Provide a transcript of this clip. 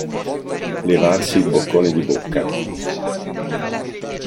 Levarsi il boccone di bocca.